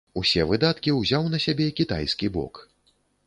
Усе выдаткі ўзяў на сябе кітайскі бок.